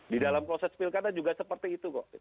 di dalam proses pilkada juga seperti itu kok